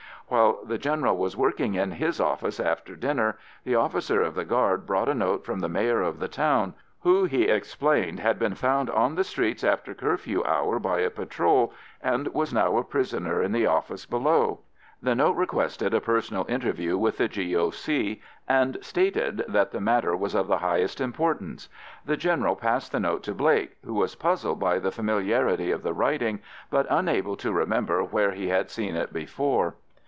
While the General was working in his office after dinner, the officer of the guard brought a note from the Mayor of the town, who, he explained, had been found on the streets after curfew hour by a patrol, and was now a prisoner in the office below. The note requested a personal interview with the G.O.C., and stated that the matter was of the highest importance. The General passed the note to Blake, who was puzzled by the familiarity of the writing, but unable to remember where he had seen it before.